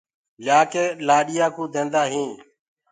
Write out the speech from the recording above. ليآ ڪي لآڏيآݪآنٚ ڪوٚ ديندآ هينٚ۔